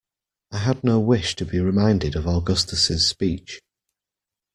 I had no wish to be reminded of Augustus's speech.